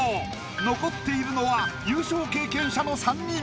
残っているのは優勝経験者の３人。